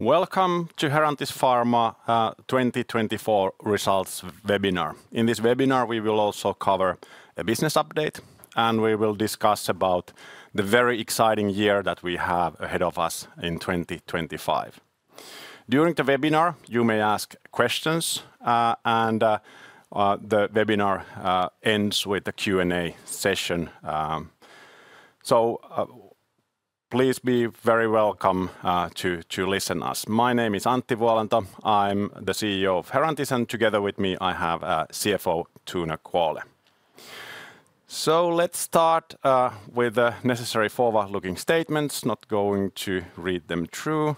Welcome to Herantis Pharma 2024 results webinar. In this webinar, we will also cover a business update, and we will discuss the very exciting year that we have ahead of us in 2025. During the webinar, you may ask questions, and the webinar ends with a Q&A session. Please be very welcome to listen to us. My name is Antti Vuolanto. I'm the CEO of Herantis, and together with me, I have CFO Tone Kvåle. Let's start with the necessary forward-looking statements. Not going to read them through,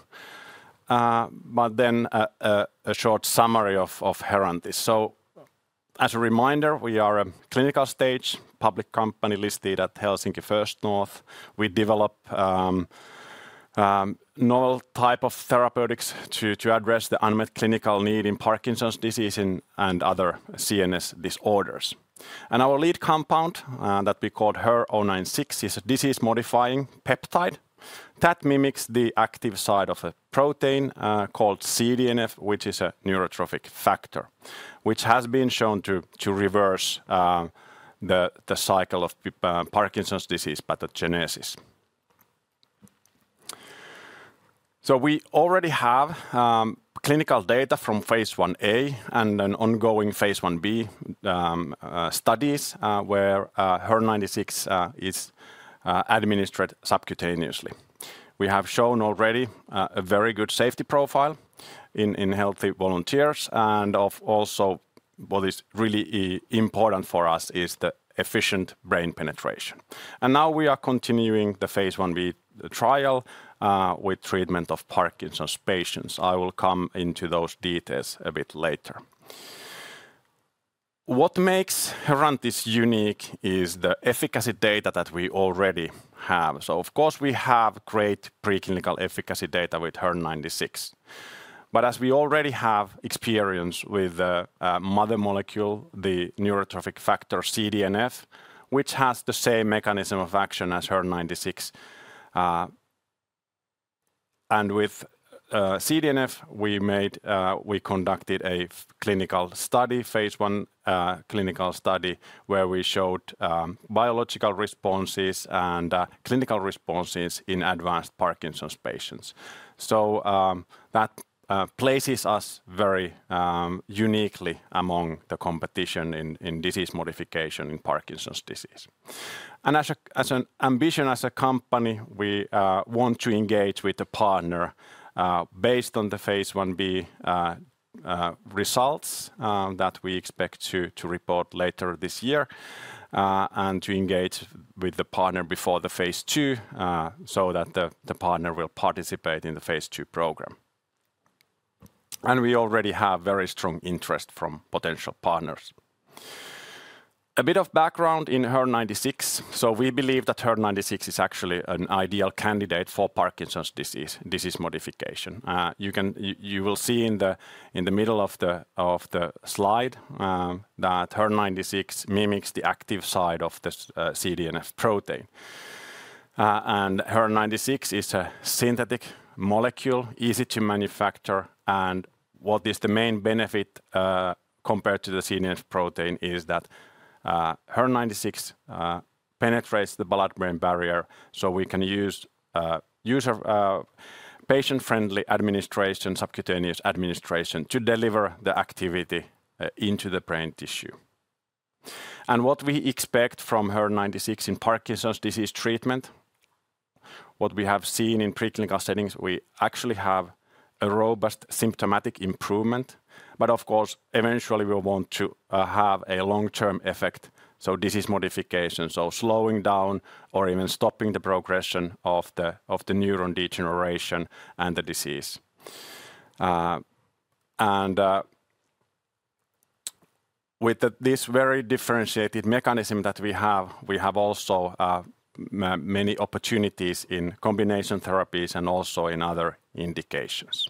but then a short summary of Herantis. As a reminder, we are a clinical stage public company listed at Helsinki First North. We develop a novel type of therapeutics to address the unmet clinical need in Parkinson's disease and other CNS disorders. Our lead compound that we called HER-096 is a disease-modifying peptide that mimics the active side of a protein called CDNF, which is a neurotrophic factor, which has been shown to reverse the cycle of Parkinson's disease pathogenesis. We already have clinical data from phase 1a and ongoing phase 1b studies where HER-096 is administered subcutaneously. We have shown already a very good safety profile in healthy volunteers, and also what is really important for us is the efficient brain penetration. We are continuing the phase 1b trial with treatment of Parkinson's patients. I will come into those details a bit later. What makes Herantis unique is the efficacy data that we already have. Of course, we have great preclinical efficacy data with HER-096, but as we already have experience with the mother molecule, the neurotrophic factor CDNF, which has the same mechanism of action as HER-096. With CDNF, we conducted a phase I clinical study where we showed biological responses and clinical responses in advanced Parkinson's patients. That places us very uniquely among the competition in disease modification in Parkinson's disease. As an ambition as a company, we want to engage with a partner based on the phase IB results that we expect to report later this year and to engage with the partner before the phase II so that the partner will participate in the phase II program. We already have very strong interest from potential partners. A bit of background in HER-096. We believe that HER-096 is actually an ideal candidate for Parkinson's disease modification. You will see in the middle of the slide that HER-096 mimics the active side of the CDNF protein. HER-096 is a synthetic molecule, easy to manufacture, and what is the main benefit compared to the CDNF protein is that HER-096 penetrates the blood-brain barrier, so we can use patient-friendly administration, subcutaneous administration to deliver the activity into the brain tissue. What we expect from HER-096 in Parkinson's disease treatment, what we have seen in preclinical settings, we actually have a robust symptomatic improvement, but of course, eventually we want to have a long-term effect, so disease modification, slowing down or even stopping the progression of the neuron degeneration and the disease. With this very differentiated mechanism that we have, we have also many opportunities in combination therapies and also in other indications.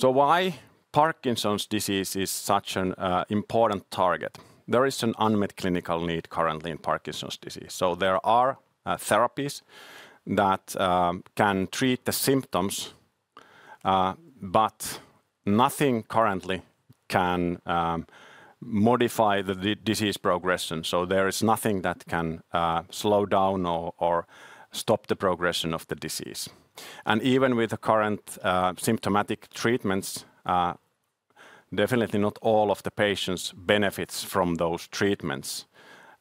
Why is Parkinson's disease such an important target? There is an unmet clinical need currently in Parkinson's disease. There are therapies that can treat the symptoms, but nothing currently can modify the disease progression. There is nothing that can slow down or stop the progression of the disease. Even with the current symptomatic treatments, definitely not all of the patients benefit from those treatments.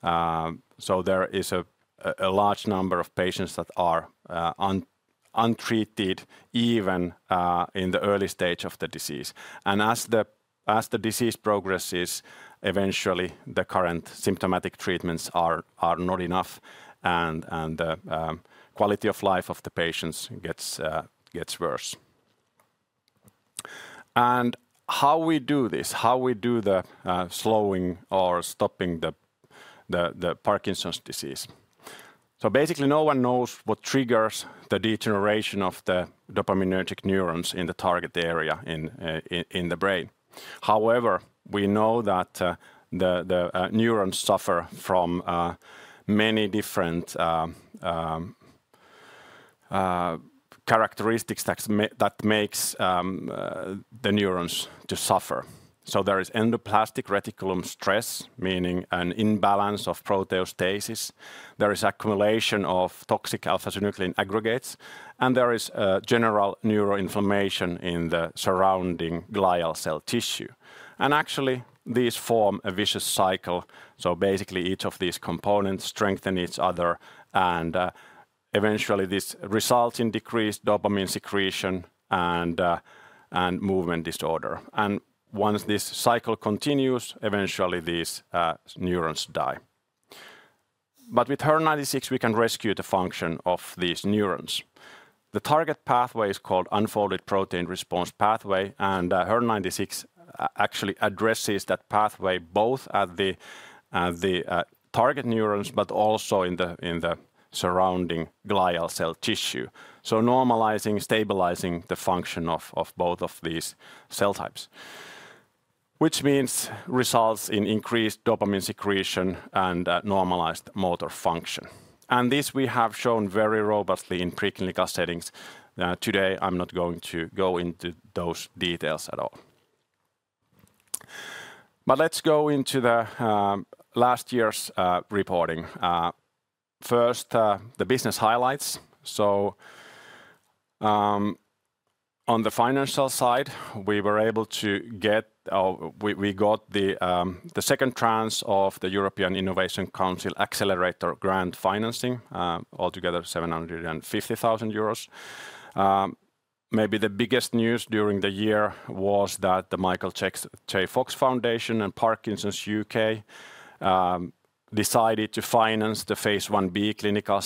There is a large number of patients that are untreated even in the early stage of the disease. As the disease progresses, eventually the current symptomatic treatments are not enough, and the quality of life of the patients gets worse. How we do this, how we do the slowing or stopping the Parkinson's disease. Basically no one knows what triggers the degeneration of the dopaminergic neurons in the target area in the brain. However, we know that the neurons suffer from many different characteristics that make the neurons suffer. There is endoplasmic reticulum stress, meaning an imbalance of proteostasis. There is accumulation of toxic alpha-synuclein aggregates, and there is general neuroinflammation in the surrounding glial cell tissue. Actually, these form a vicious cycle. Basically, each of these components strengthen each other, and eventually this results in decreased dopamine secretion and movement disorder. Once this cycle continues, eventually these neurons die. With HER-096, we can rescue the function of these neurons. The target pathway is called unfolded protein response pathway, and HER-096 actually addresses that pathway both at the target neurons but also in the surrounding glial cell tissue. Normalizing, stabilizing the function of both of these cell types, which means results in increased dopamine secretion and normalized motor function. This we have shown very robustly in preclinical settings. Today, I'm not going to go into those details at all. Let's go into last year's reporting. First, the business highlights. On the financial side, we were able to get the second tranche of the European Innovation Council Accelerator grant financing, altogether 750,000 euros. Maybe the biggest news during the year was that the Michael J. Fox Foundation and Parkinson's UK decided to finance the phase 1b clinical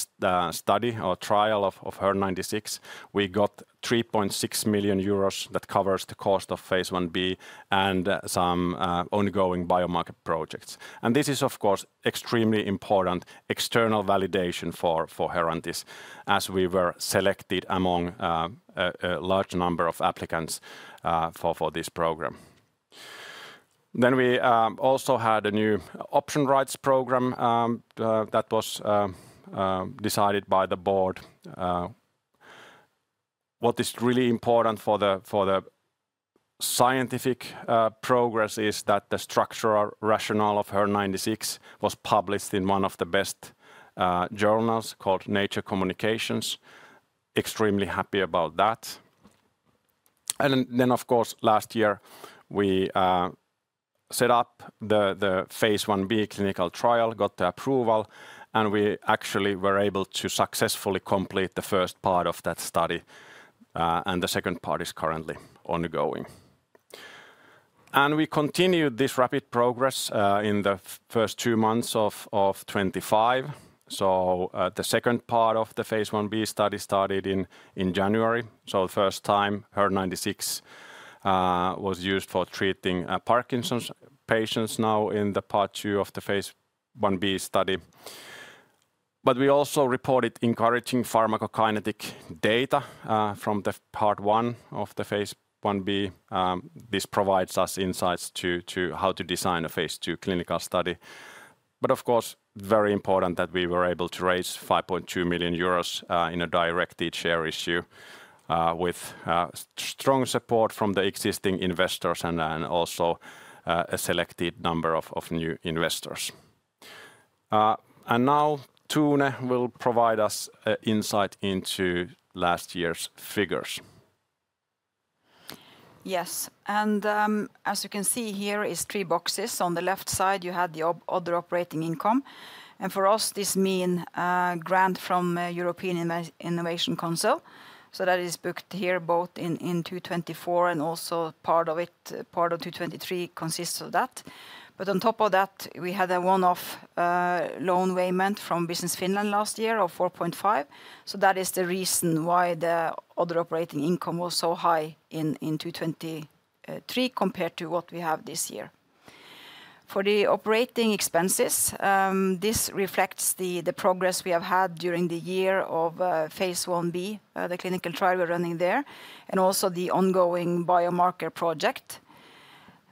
study or trial of HER-096. We got 3.6 million euros that covers the cost of phase 1b and some ongoing biomarker projects. This is, of course, extremely important external validation for Herantis as we were selected among a large number of applicants for this program. We also had a new option rights program that was decided by the board. What is really important for the scientific progress is that the structural rationale of HER-096 was published in one of the best journals called Nature Communications. Extremely happy about that. Last year we set up the phase 1b clinical trial, got the approval, and we actually were able to successfully complete the first part of that study, and the second part is currently ongoing. We continued this rapid progress in the first two months of 2025. The second part of the phase 1b study started in January. The first time HER-096 was used for treating Parkinson's patients is now in the Part 2 of the phase 1b study. We also reported encouraging pharmacokinetic data from the Part 1 of the phase 1b. This provides us insights to how to design a phase two clinical study. Of course, very important that we were able to raise 5.2 million euros in a direct share issue with strong support from the existing investors and also a selected number of new investors. Now Tone will provide us insight into last year's figures. Yes. As you can see here is three boxes. On the left side, you had the other operating income. For us, this means grant from European Innovation Council. That is booked here both in 2024 and also part of it, part of 2023 consists of that. On top of that, we had a one-off loan payment from Business Finland last year of 4.5 million. That is the reason why the other operating income was so high in 2023 compared to what we have this year. For the operating expenses, this reflects the progress we have had during the year of phase 1b, the clinical trial we're running there, and also the ongoing biomarker project.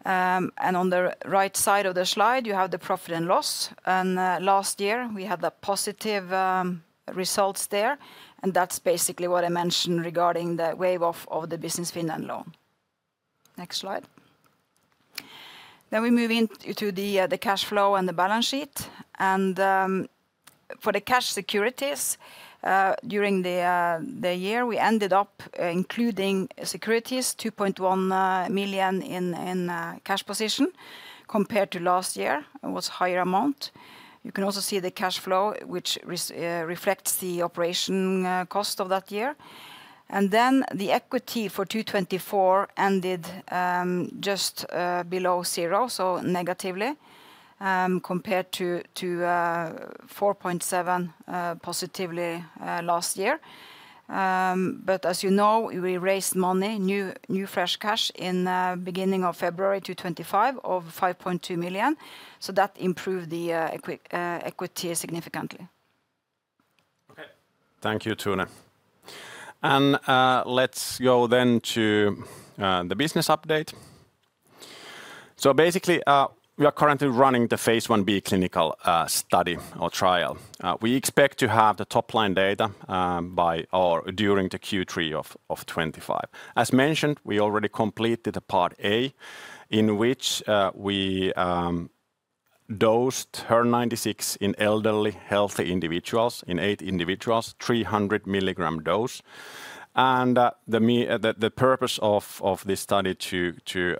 On the right side of the slide, you have the profit and loss. Last year, we had the positive results there. That's basically what I mentioned regarding the wave of the Business Finland loan. Next slide. We move into the cash flow and the balance sheet. For the cash securities during the year, we ended up including securities 2.1 million in cash position compared to last year. It was a higher amount. You can also see the cash flow, which reflects the operation cost of that year. The equity for 2024 ended just below zero, so negatively compared to 4.7 million positively last year. As you know, we raised money, new fresh cash in the beginning of February 2025 of 5.2 million. That improved the equity significantly. Okay. Thank you, Tone. Let's go then to the business update. Basically, we are currently running the phase 1b clinical study or trial. We expect to have the top line data by or during Q3 of 2025. As mentioned, we already completed a Part A in which we dosed HER-096 in elderly healthy individuals, in eight individuals, 300 milligram dose. The purpose of this study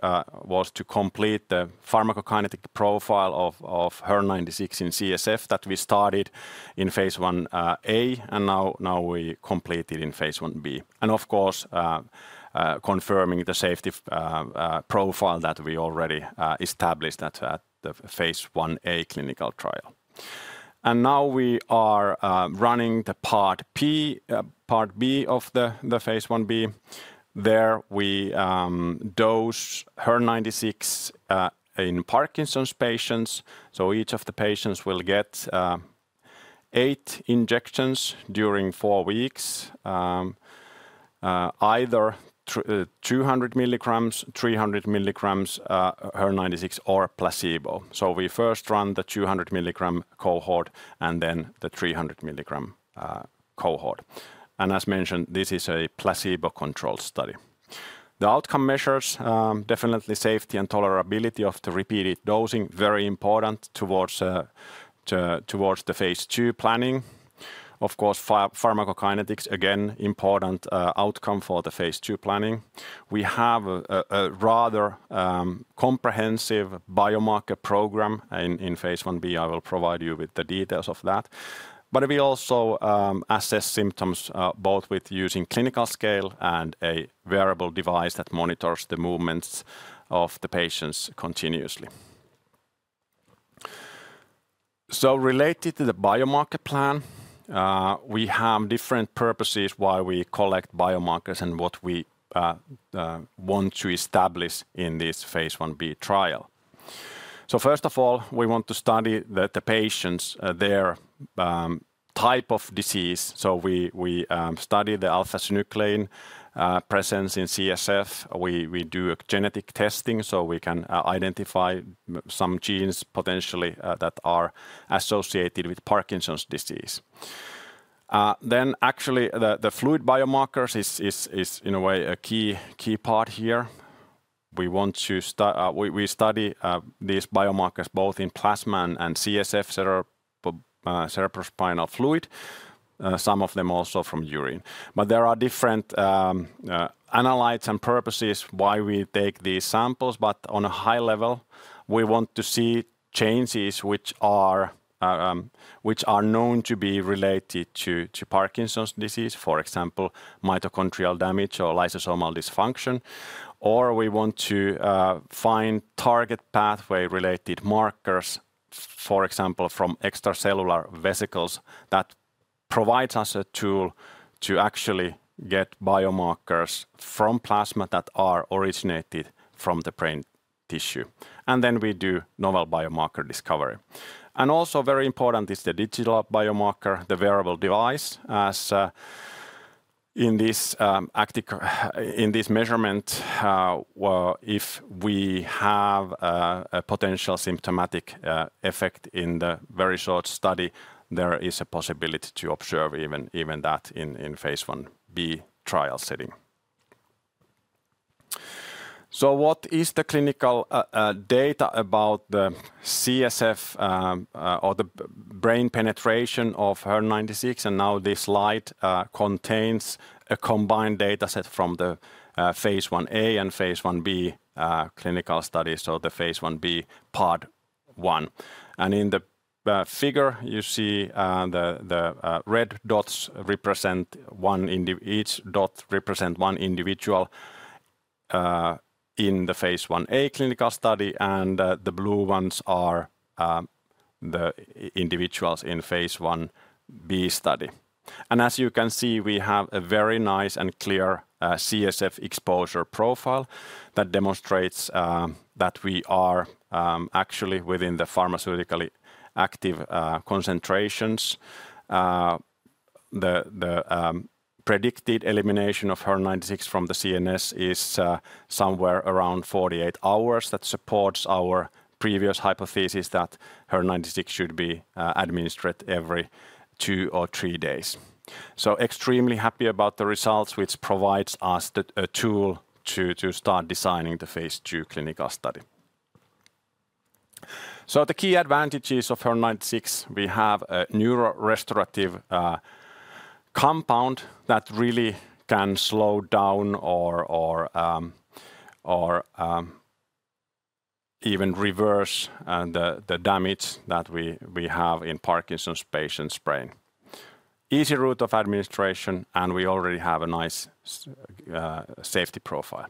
was to complete the pharmacokinetic profile of HER-096 in CSF that we started in phase 1a, and now we complete it in phase 1b. Of course, confirming the safety profile that we already established at the phase 1a clinical trial. Now we are running the Part B of the phase 1b. There we dose HER-096 in Parkinson's patients. Each of the patients will get eight injections during four weeks, either 200 milligrams, 300 milligrams HER-096 or a placebo. We first run the 200 milligram cohort and then the 300 milligram cohort. As mentioned, this is a placebo-controlled study. The outcome measures, definitely safety and tolerability of the repeated dosing, are very important towards the phase two planning. Of course, pharmacokinetics, again, important outcome for the phase two planning. We have a rather comprehensive biomarker program in phase 1b. I will provide you with the details of that. We also assess symptoms both with using clinical scale and a wearable device that monitors the movements of the patients continuously. Related to the biomarker plan, we have different purposes why we collect biomarkers and what we want to establish in this phase 1b trial. First of all, we want to study the patients, their type of disease. We study the alpha-synuclein presence in CSF. We do genetic testing so we can identify some genes potentially that are associated with Parkinson's disease. Actually, the fluid biomarkers is in a way a key part here. We study these biomarkers both in plasma and CSF, cerebrospinal fluid, some of them also from urine. There are different analytes and purposes why we take these samples. On a high level, we want to see changes which are known to be related to Parkinson's disease, for example, mitochondrial damage or lysosomal dysfunction. We want to find target pathway-related markers, for example, from extracellular vesicles that provides us a tool to actually get biomarkers from plasma that are originated from the brain tissue. We do novel biomarker discovery. Also very important is the digital biomarker, the wearable device. In this measurement, if we have a potential symptomatic effect in the very short study, there is a possibility to observe even that in phase 1b trial setting. What is the clinical data about the CSF or the brain penetration of HER-096? This slide contains a combined dataset from the phase 1a and phase 1b clinical studies, the phase 1b Part 1. In the figure, you see the red dots represent one individual in the phase 1a clinical study, and the blue ones are the individuals in phase 1b study. As you can see, we have a very nice and clear CSF exposure profile that demonstrates that we are actually within the pharmaceutically active concentrations. The predicted elimination of HER-096 from the CNS is somewhere around 48 hours that supports our previous hypothesis that HER-096 should be administered every two or three days. Extremely happy about the results, which provides us a tool to start designing the phase two clinical study. The key advantages of HER-096, we have a neurorestorative compound that really can slow down or even reverse the damage that we have in Parkinson's patients' brain. Easy route of administration, and we already have a nice safety profile.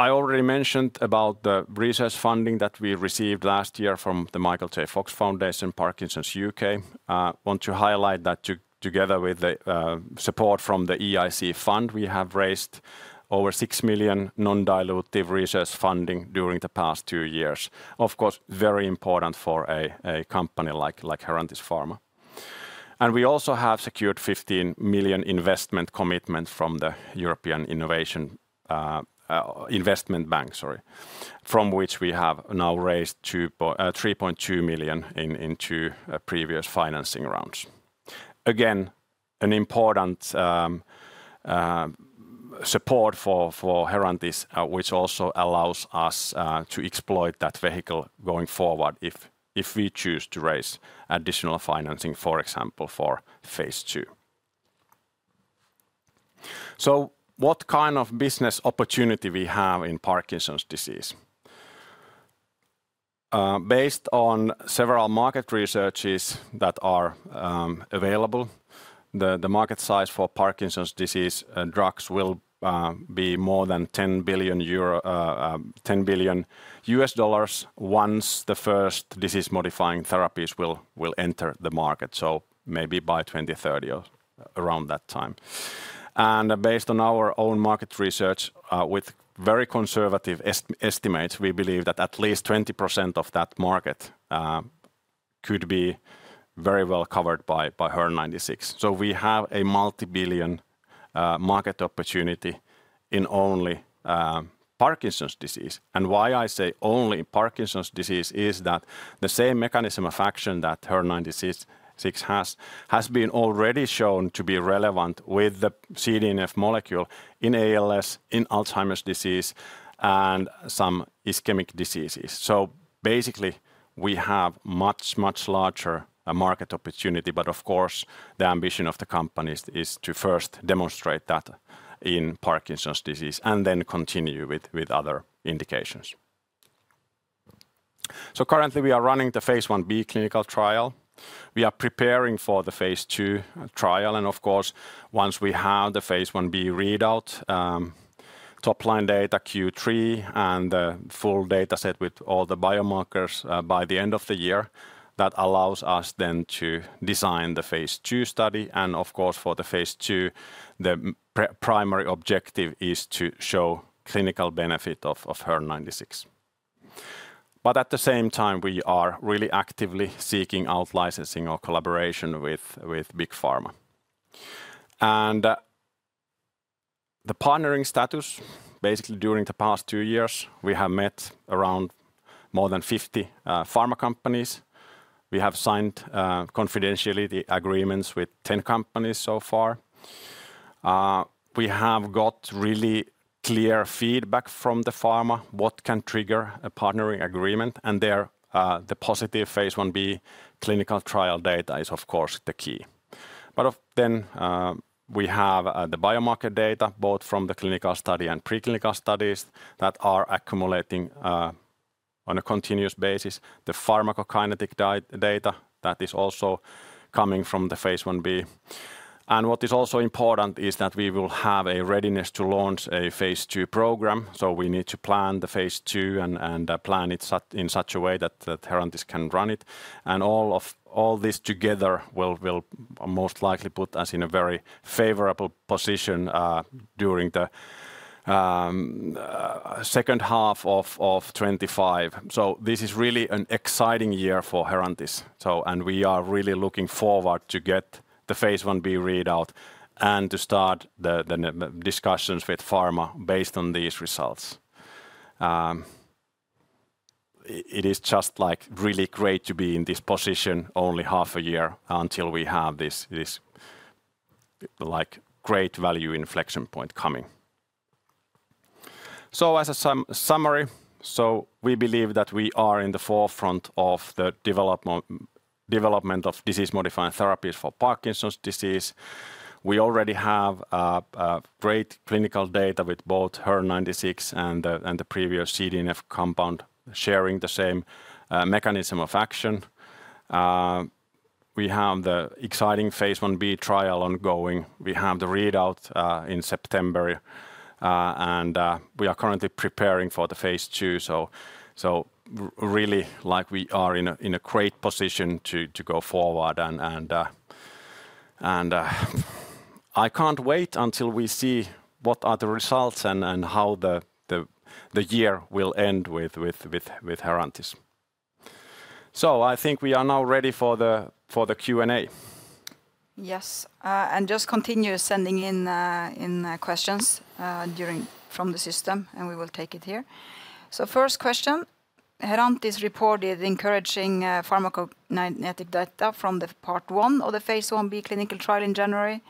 I already mentioned about the research funding that we received last year from the Michael J. Fox Foundation, Parkinson's UK I want to highlight that together with the support from the EIC Fund, we have raised over 6 million non-dilutive research funding during the past two years. Of course, very important for a company like Herantis Pharma. We also have secured 15 million investment commitment from the European Investment Bank, sorry, from which we have now raised 3.2 million in two previous financing rounds. Again, an important support for Herantis, which also allows us to exploit that vehicle going forward if we choose to raise additional financing, for example, for phase two. What kind of business opportunity do we have in Parkinson's disease? Based on several market researches that are available, the market size for Parkinson's disease drugs will be more than 10 billion euro, $10 billion once the first disease-modifying therapies will enter the market. Maybe by 2030 or around that time. Based on our own market research with very conservative estimates, we believe that at least 20% of that market could be very well covered by HER-096. We have a multi-billion market opportunity in only Parkinson's disease. Why I say only in Parkinson's disease is that the same mechanism of action that HER-096 has been already shown to be relevant with the CDNF molecule in ALS, in Alzheimer's disease, and some ischemic diseases. Basically, we have much, much larger market opportunity. Of course, the ambition of the company is to first demonstrate that in Parkinson's disease and then continue with other indications. Currently, we are running the phase 1b clinical trial. We are preparing for the phase two trial. Of course, once we have the phase 1b readout, top line data Q3, and the full dataset with all the biomarkers by the end of the year, that allows us then to design the phase two study. For the phase two, the primary objective is to show clinical benefit of HER-096. At the same time, we are really actively seeking out licensing or collaboration with Big Pharma. The partnering status, basically during the past two years, we have met around more than 50 pharma companies. We have signed confidentiality agreements with 10 companies so far. We have got really clear feedback from the pharma what can trigger a partnering agreement. There, the positive phase 1b clinical trial data is, of course, the key. We have the biomarker data both from the clinical study and preclinical studies that are accumulating on a continuous basis, the pharmacokinetic data that is also coming from the phase 1b. What is also important is that we will have a readiness to launch a phase two program. We need to plan the phase two and plan it in such a way that Herantis can run it. All this together will most likely put us in a very favorable position during the second half of 2025. This is really an exciting year for Herantis. We are really looking forward to get the phase 1b readout and to start the discussions with pharma based on these results. It is just like really great to be in this position only half a year until we have this great value inflection point coming. As a summary, we believe that we are in the forefront of the development of disease-modifying therapies for Parkinson's disease. We already have great clinical data with both HER-096 and the previous CDNF compound sharing the same mechanism of action. We have the exciting phase 1b trial ongoing. We have the readout in September. We are currently preparing for the phase two. We are in a great position to go forward. I can't wait until we see what are the results and how the year will end with Herantis. I think we are now ready for the Q&A. Yes. Just continue sending in questions from the system, and we will take it here. First question, Herantis reported encouraging pharmacokinetic data from Part 1 of the phase 1b clinical trial in January.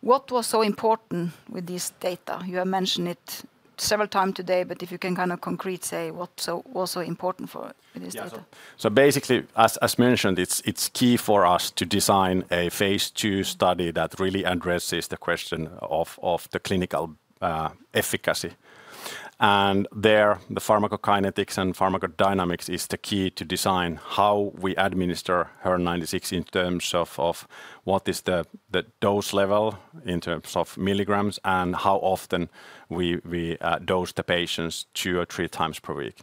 What was so important with this data? You have mentioned it several times today, but if you can kind of concrete say what was so important for this data. Basically, as mentioned, it's key for us to design a phase two study that really addresses the question of the clinical efficacy. There, the pharmacokinetics and pharmacodynamics is the key to design how we administer HER-096 in terms of what is the dose level in terms of milligrams and how often we dose the patients, two or three times per week.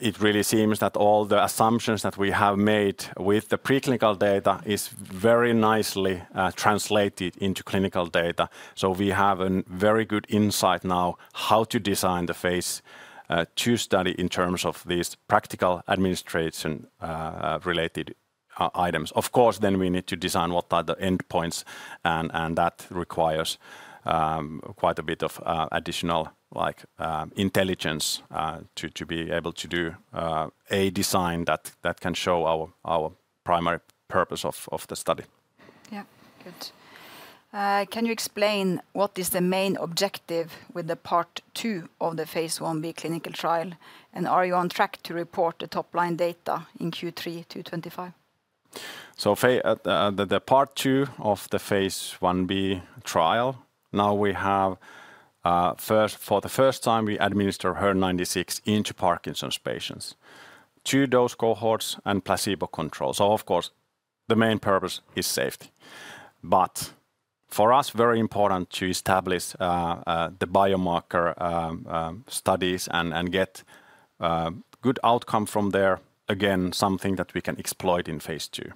It really seems that all the assumptions that we have made with the preclinical data is very nicely translated into clinical data. We have a very good insight now how to design the phase two study in terms of these practical administration-related items. Of course, we need to design what are the endpoints, and that requires quite a bit of additional intelligence to be able to do a design that can show our primary purpose of the study. Yeah. Good. Can you explain what is the main objective with the Part 2 of the phase 1b clinical trial? Are you on track to report the top line data in Q3 2025? The Part 2 of the phase 1b trial, now we have for the first time we administer HER-096 into Parkinson's patients, two dose cohorts, and placebo control. Of course, the main purpose is safety. For us, very important to establish the biomarker studies and get good outcome from there, again, something that we can exploit in phase two.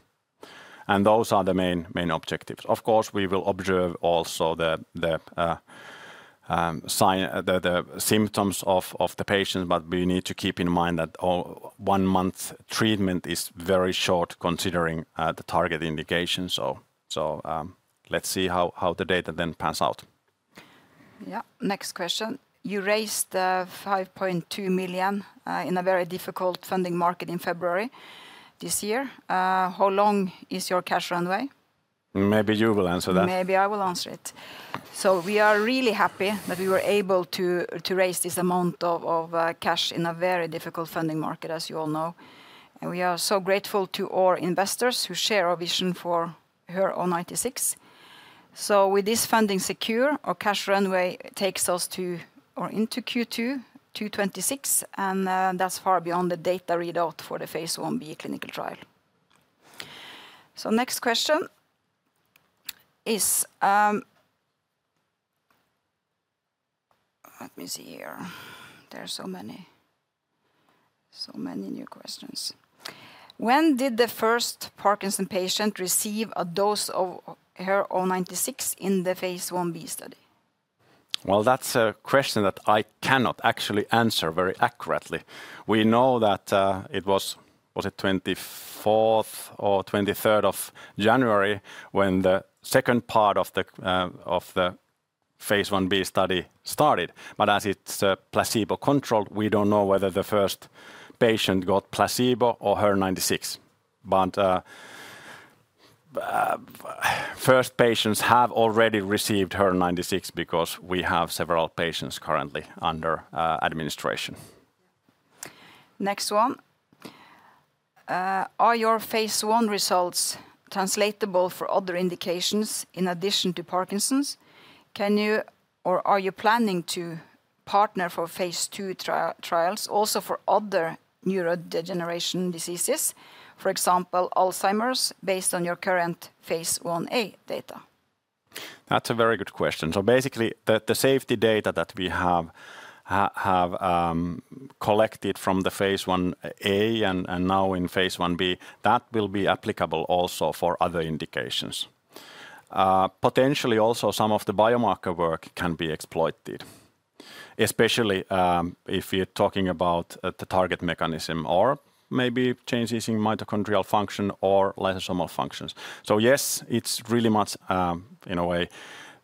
Those are the main objectives. Of course, we will observe also the symptoms of the patients, but we need to keep in mind that one month treatment is very short considering the target indication. Let's see how the data then pans out. Yeah. Next question. You raised 5.2 million in a very difficult funding market in February this year. How long is your cash runway? Maybe you will answer that. Maybe I will answer it. We are really happy that we were able to raise this amount of cash in a very difficult funding market, as you all know. We are so grateful to our investors who share our vision for HER-096. With this funding secure, our cash runway takes us to or into Q2 2026, and that's far beyond the data readout for the phase 1b clinical trial. Next question is, let me see here. There are so many new questions. When did the first Parkinson's patient receive a dose of HER-096 in the phase 1b study? That's a question that I cannot actually answer very accurately. We know that it was, was it the 24th or 23rd of January when the second part of the phase 1b study started. As it's placebo controlled, we don't know whether the first patient got placebo or HER-096. First patients have already received HER-096 because we have several patients currently under administration. Next one. Are your phase I results translatable for other indications in addition to Parkinson's? Can you or are you planning to partner for phase II trials also for other neurodegeneration diseases, for example, Alzheimer's, based on your current phase IA data? That's a very good question. Basically, the safety data that we have collected from the phase 1a and now in phase 1b, that will be applicable also for other indications. Potentially, also some of the biomarker work can be exploited, especially if you're talking about the target mechanism or maybe changes in mitochondrial function or lysosomal functions. Yes, it's really much, in a way,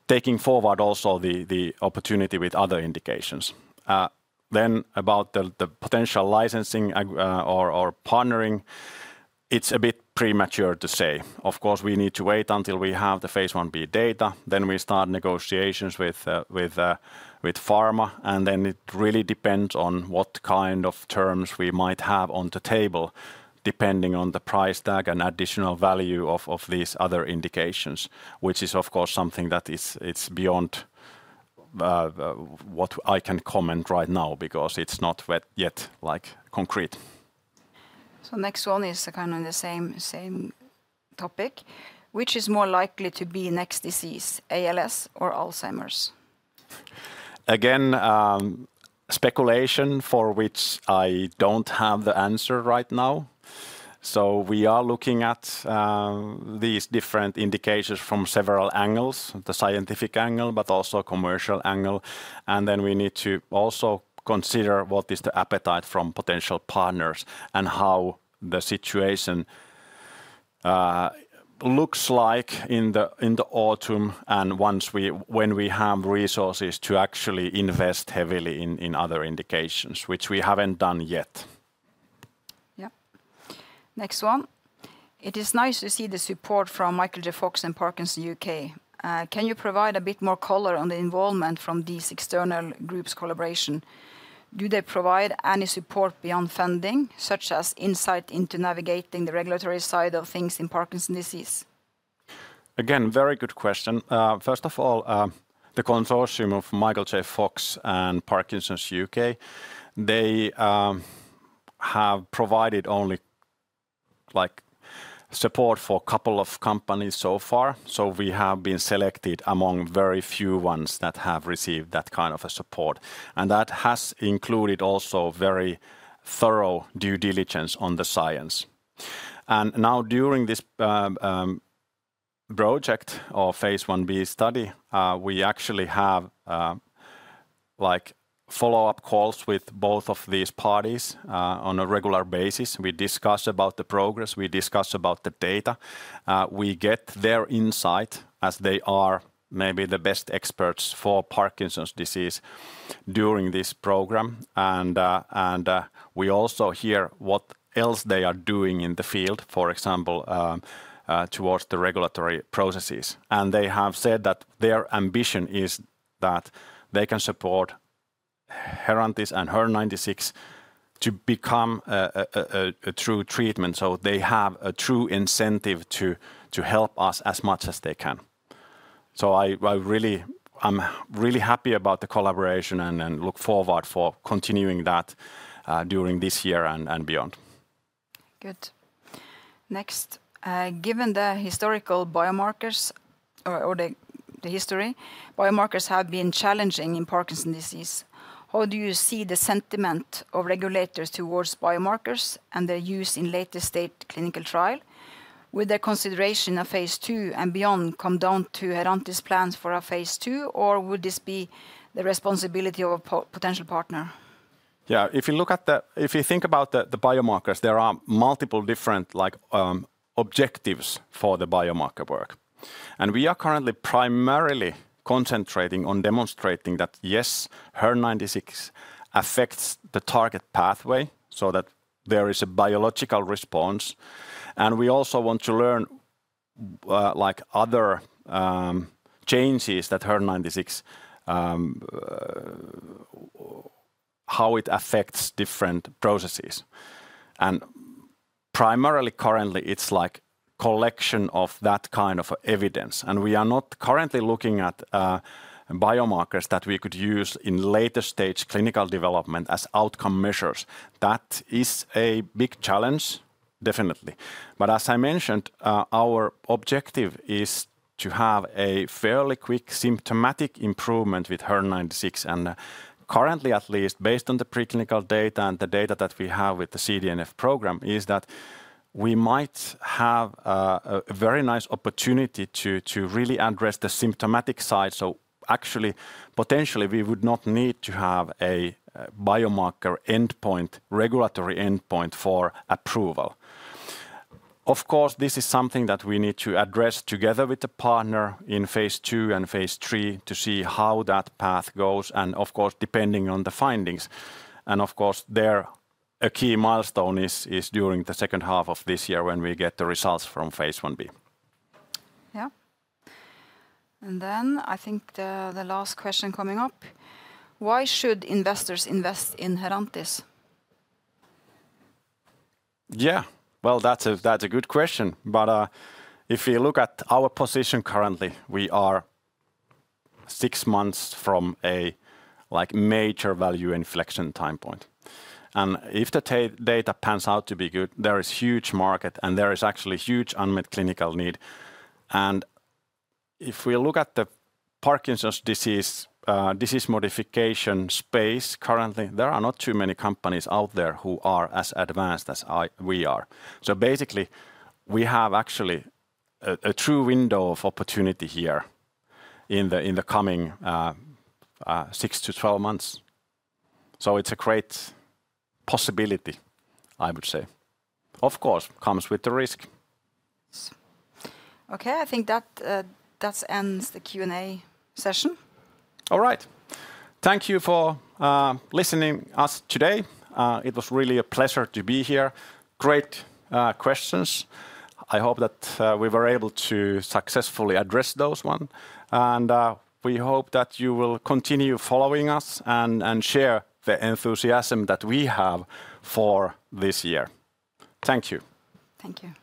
taking forward also the opportunity with other indications. About the potential licensing or partnering, it's a bit premature to say. Of course, we need to wait until we have the phase 1b data, then we start negotiations with pharma. It really depends on what kind of terms we might have on the table, depending on the price tag and additional value of these other indications, which is, of course, something that it's beyond what I can comment right now because it's not yet concrete. Next one is kind of the same topic. Which is more likely to be next disease, ALS or Alzheimer's? Again, speculation for which I don't have the answer right now. We are looking at these different indications from several angles, the scientific angle, but also commercial angle. We need to also consider what is the appetite from potential partners and how the situation looks like in the autumn and when we have resources to actually invest heavily in other indications, which we haven't done yet. Yeah. Next one. It is nice to see the support from Michael J. Fox and Parkinson's UK. Can you provide a bit more color on the involvement from these external groups' collaboration? Do they provide any support beyond funding, such as insight into navigating the regulatory side of things in Parkinson's disease? Again, very good question. First of all, the consortium of Michael J. Fox and Parkinson's UK, they have provided only support for a couple of companies so far. We have been selected among very few ones that have received that kind of support. That has included also very thorough due diligence on the science. Now, during this project or phase 1b study, we actually have follow-up calls with both of these parties on a regular basis. We discuss about the progress. We discuss about the data. We get their insight as they are maybe the best experts for Parkinson's disease during this program. We also hear what else they are doing in the field, for example, towards the regulatory processes. They have said that their ambition is that they can support Herantis and HER-096 to become a true treatment. They have a true incentive to help us as much as they can. I'm really happy about the collaboration and look forward to continuing that during this year and beyond. Good. Next. Given the historical biomarkers or the history, biomarkers have been challenging in Parkinson's disease. How do you see the sentiment of regulators towards biomarkers and their use in latest state clinical trial? Would the consideration of phase two and beyond come down to Herantis' plans for a phase two, or would this be the responsibility of a potential partner? Yeah. If you look at the if you think about the biomarkers, there are multiple different objectives for the biomarker work. We are currently primarily concentrating on demonstrating that, yes, HER-096 affects the target pathway so that there is a biological response. We also want to learn other changes that HER-096, how it affects different processes. Primarily, currently, it is like collection of that kind of evidence. We are not currently looking at biomarkers that we could use in later stage clinical development as outcome measures. That is a big challenge, definitely. As I mentioned, our objective is to have a fairly quick symptomatic improvement with HER-096. Currently, at least, based on the preclinical data and the data that we have with the CDNF program, is that we might have a very nice opportunity to really address the symptomatic side. Actually, potentially, we would not need to have a biomarker endpoint, regulatory endpoint for approval. Of course, this is something that we need to address together with the partner in phase two and phase three to see how that path goes and, of course, depending on the findings. Of course, a key milestone is during the second half of this year when we get the results from phase 1b. Yeah. I think the last question coming up. Why should investors invest in Herantis? Yeah. That's a good question. If you look at our position currently, we are six months from a major value inflection time point. If the data pans out to be good, there is huge market and there is actually huge unmet clinical need. If we look at the Parkinson's disease modification space currently, there are not too many companies out there who are as advanced as we are. Basically, we have actually a true window of opportunity here in the coming 6-12 months. It's a great possibility, I would say. Of course, it comes with the risk. Okay. I think that ends the Q&A session. All right. Thank you for listening to us today. It was really a pleasure to be here. Great questions. I hope that we were able to successfully address those ones. We hope that you will continue following us and share the enthusiasm that we have for this year. Thank you. Thank you.